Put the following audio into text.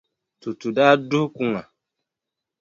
Tutu daa duhi kuŋa.